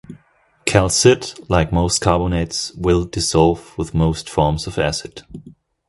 Calcite, like most carbonates, will dissolve with most forms of acid.